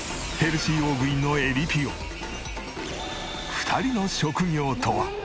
２人の職業とは？